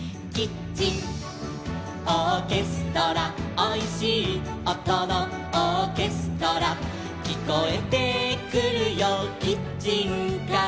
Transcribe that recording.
「おいしいおとのオーケストラ」「きこえてくるよキッチンから」